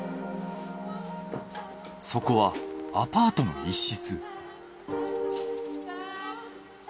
そこはアパートの一室。